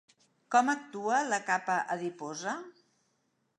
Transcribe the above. Com actua la capa adiposa?